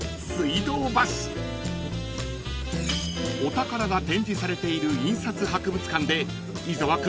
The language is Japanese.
［お宝が展示されている印刷博物館で伊沢君